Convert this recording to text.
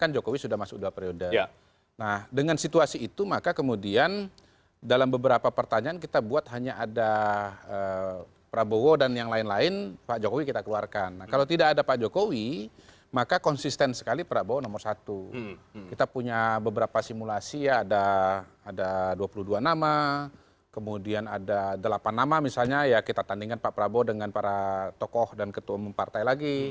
jadi konsisten sekali prabowo masih unggul